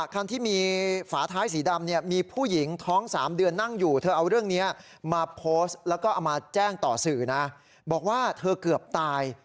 ก็เอามาแจ้งต่อสื่อนะบอกว่าเธอเกือบตาย